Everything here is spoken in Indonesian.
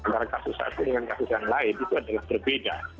karena kasus satu dengan kasus yang lain itu adalah berbeda